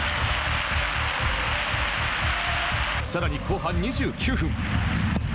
さらに後半２９分。